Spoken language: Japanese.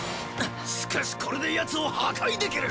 しかしこれでヤツを破壊できる！